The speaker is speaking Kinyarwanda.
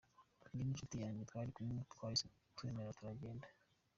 Njye n’inshuti yanjye twari kumwe twahise twemera turagenda" .